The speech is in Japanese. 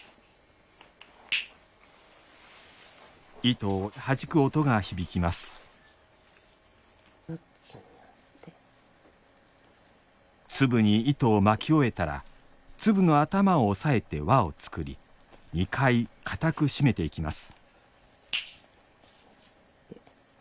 糸をはじく音が響きます粒に糸を巻き終えたら粒の頭を押さえて輪を作り２回かたく締めていきます